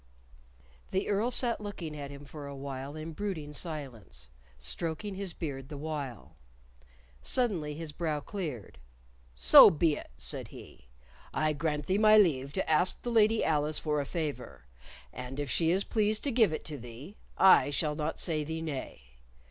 The Earl sat looking at him for a while in brooding silence, stroking his beard the while. Suddenly his brow cleared. "So be it," said he. "I grant thee my leave to ask the Lady Alice for a favor, and if she is pleased to give it to thee, I shall not say thee nay.